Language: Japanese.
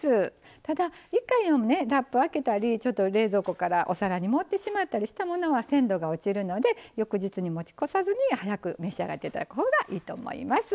ただ、一回でもラップを開けたりちょっと冷蔵庫からお皿に盛ってしまったものは鮮度が落ちるので、翌日に持ち越さずに早く召し上がっていただくほうがいいと思います。